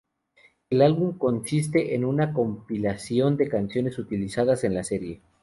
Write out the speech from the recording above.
El álbum consiste en una compilación de canciones utilizadas en la serie.